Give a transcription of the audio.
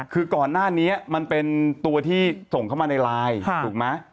คือก่อนหน้านี้มันเป็นตัวที่ส่งเข้ามาในไลน์ถูกไหม